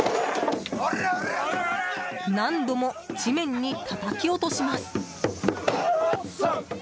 何度も地面にたたき落します。